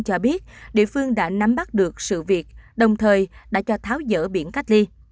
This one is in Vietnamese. cho biết địa phương đã nắm bắt được sự việc đồng thời đã cho tháo dỡ biển cách ly